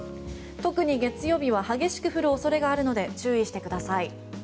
特に月曜日は激しく降る恐れがあるので注意してください。